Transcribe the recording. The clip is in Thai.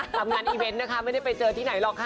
ทำงานอีเวนต์นะคะไม่ได้ไปเจอที่ไหนหรอกค่ะ